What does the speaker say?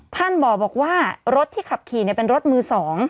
ท่านบอกว่ารถที่ขับขี่เป็นรถมือ๒